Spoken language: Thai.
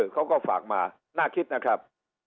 เขาก็ฝากมาน่าคิดนะครับ